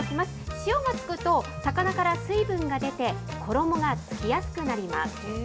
塩が付くと、魚から水分が出て、衣が付きやすくなります。